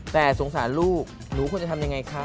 แต่สงสารลูกหนูควรจะทำยังไงคะ